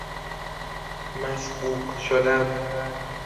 مسبوق شدن